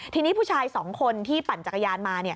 ทีนี้ผู้ชาย๒คนที่ปั่นจักรยานมา